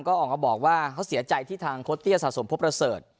ก็ออกมาบอกว่าเขาเสียใจที่ทางโค้ชเตี้ยสะสมพบประเสริฐ